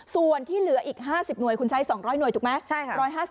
ส่วนที่เหลืออีก๕๐หน่วยคุณใช้๒๐๐หน่วยถูกไหม